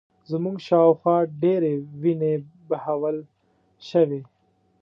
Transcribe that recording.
زموږ شا و خوا ډېرې وینې بهول شوې